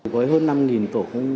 với hơn năm tổ công